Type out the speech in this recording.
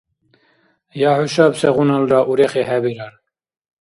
Я хӀушаб сегъуналра урехи хӀебирар…